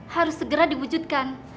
harus segera diwujudkan